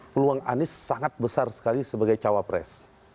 peluang anies sangat besar sekali sebagai cawapres